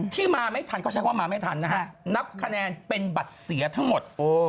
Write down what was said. ที่มาไม่ทันเขาใช้คำว่ามาไม่ทันนะฮะนับคะแนนเป็นบัตรเสียทั้งหมด